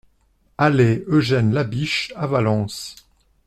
Allée Eugène Labiche à Valence